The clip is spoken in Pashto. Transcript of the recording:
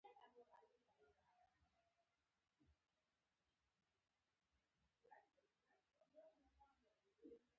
بېرته راغلو.